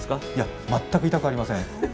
全く痛くありません。